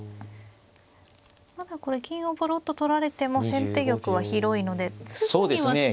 まだこれ金をぼろっと取られても先手玉は広いのですぐには詰まない。